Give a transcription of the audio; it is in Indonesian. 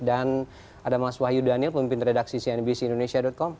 dan ada mas wahyu daniel pemimpin redaksi cnbc indonesia com